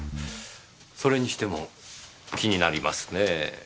それにしても気になりますねぇ。